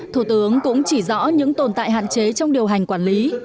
thủ tướng cũng chỉ rõ những tồn tại hạn chế trong điều hành quản lý